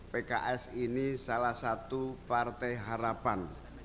pks ini salah satu partai harapan